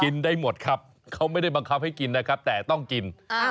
ได้หมดครับเขาไม่ได้บังคับให้กินนะครับแต่ต้องกิน